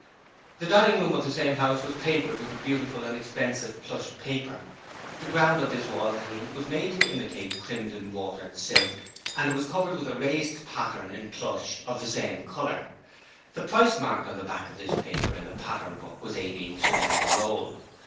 The dining room of the same house was papered with a beautiful and expensive plush paper. The ground of this wall hanging was made to imitate crimson watered silk, and it was covered with a raised pattern in plush of the same colour. The price marked on the back of this paper in the pattern book was eighteen shillings a roll.